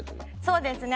そうですね。